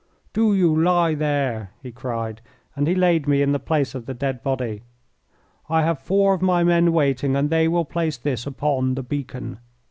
"Do you lie there!" he cried, and he laid me in the place of the dead body. "I have four of my men waiting, and they will place this upon the beacon."